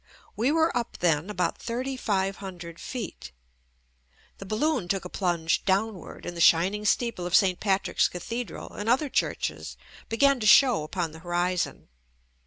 We were up then about thirty five hundred feet. The balloon took a plunge downward, and the shining steeple of St. Patrick's cathedral and other churches began to show upon the horizon.